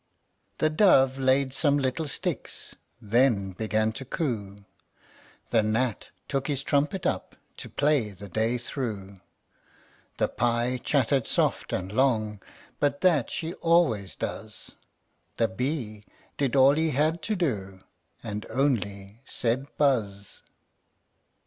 The dove laid some little sticks, Then began to coo; The gnat took his trumpet up To play the day through; The pie chattered soft and long But that she always does; The bee did all he had to do, And only said, "Buzz."